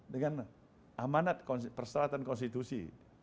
dengan amanat perseratan konstitusi